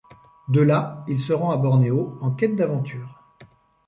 De là, il se rend à Bornéo en quête d'aventure.